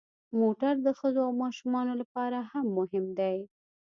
موټر د ښځو او ماشومانو لپاره هم مهم دی.